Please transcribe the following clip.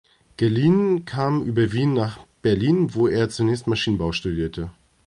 Galeen kam über Wien nach Berlin, wo er zunächst Maschinenbau studierte.